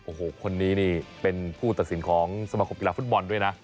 โอ้โหคนนี้นี่เป็นผู้ตัดสินของสมาคมกีฬาฟุตบอลด้วยนะ